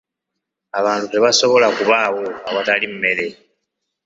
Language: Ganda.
Abantu tebasobola kubaawo awatali mmere.